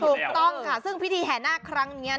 ถูกต้องค่ะซึ่งพิธีแห่นาคครั้งนี้